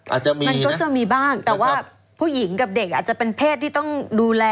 อาจจะมีมันก็จะมีบ้างแต่ว่าผู้หญิงกับเด็กอาจจะเป็นเพศที่ต้องดูแล